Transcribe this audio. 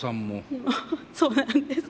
そうなんです。